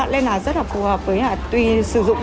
nên là rất là phù hợp với sử dụng